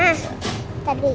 kasih lihat om baik ya